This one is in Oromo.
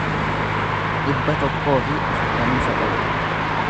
dhibba tokkoo fi afurtamii sagal